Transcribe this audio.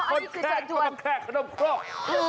คนแขกเขามาแค่ขนมทรก